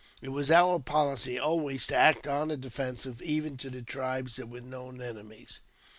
It was our policy alwa] to act on the defensive, even to tribes that were kno^ enemies.